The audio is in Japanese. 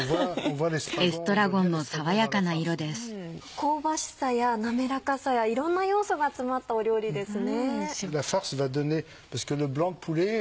香ばしさや滑らかさやいろんな要素が詰まった料理ですね。